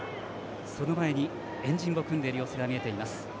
その前に円陣を組んでいる様子が見えます。